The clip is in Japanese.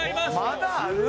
まだある？